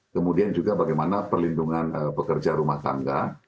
kemudian juga bagaimana perlindungan pekerja rumah tangga